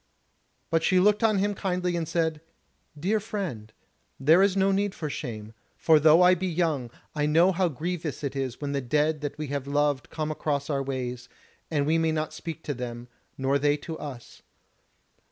But she looked on him kindly and said: "Dear friend, there is no need for shame; for though I be young, I know how grievous it is when the dead that we have loved come across our ways, and we may not speak to them, nor they to us.